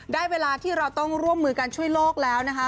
ได้เวลาที่เราต้องร่วมมือกันช่วยโลกแล้วนะคะ